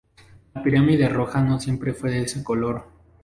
La Pirámide Roja no siempre fue de este color.